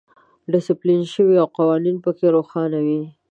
ډیسپلین شوی او قوانین پکې روښانه وي.